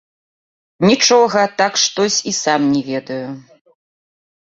Нічога, так штось, і сам не ведаю.